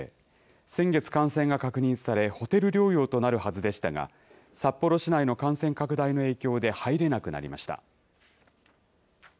先月、感染が確認され、ホテル療養となるはずでしたが、札幌市内の感染拡大の影響で入れなくなりました。